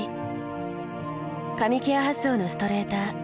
髪ケア発想のストレーター。